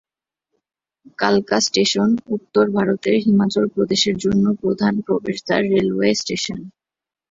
কালকা স্টেশন উত্তর ভারতের হিমাচল প্রদেশের জন্য প্রধান প্রবেশদ্বার রেলওয়ে স্টেশন।